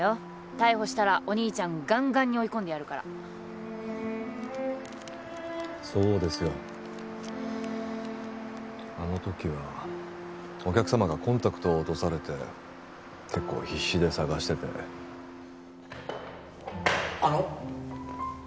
逮捕したらお兄ちゃんガンガンに追い込んでやるからそうですよあの時はお客様がコンタクトを落とされて結構必死で捜しててあの